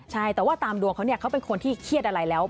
ใช่แต่ว่าตามดวงเขาเนี่ยเขาเป็นคนที่เครียดอะไรแล้ว